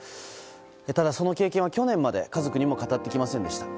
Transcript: ただ、その経験は去年まで家族にも語ってきませんでした。